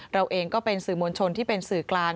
เราเองก็เป็นสื่อมวลชนที่เป็นสื่อกลาง